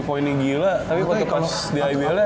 tiga pointnya gila tapi waktu pas di ibl ya